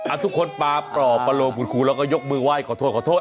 อ่ะทุกคนปลาปลอบประโลกภูมิครูแล้วก็ยกมือไหว่ขอโทษ